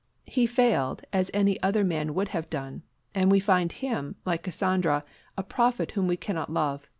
He failed, as any other man would have done; and we find him, like Cassandra, a prophet whom we cannot love.